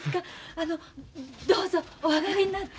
あのどうぞお上がりになって。